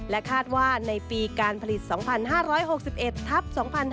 คาดว่าในปีการผลิต๒๕๖๑ทัพ๒๕๕๙